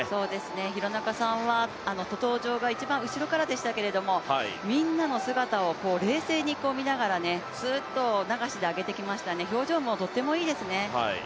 廣中さんは登場が一番後ろからでしたけどもみんなの姿を冷静に見ながらすーっと流しで上げてきました表情もとってもいいですね。